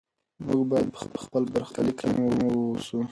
موږ باید په خپل برخلیک حاکم واوسو.